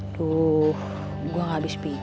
duh gue gak habis pikir